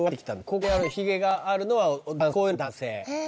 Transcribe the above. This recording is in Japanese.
ここにヒゲがあるのはこういうのは男性。